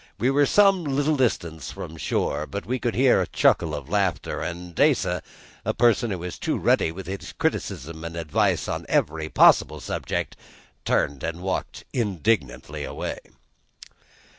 We were some little distance from shore, but we could hear a chuckle of laughter, and Asa, a person who was too ready with his criticism and advice on every possible subject, turned and walked indignantly away.